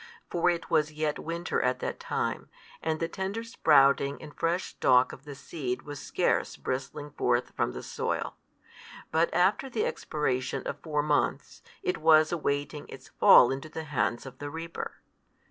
For it was yet winter at that time, and the tender sprouting and fresh stalk of the seed was scarce bristling forth from the soil: but after the expiration of four months, it was awaiting its fall into the hand of the reaper.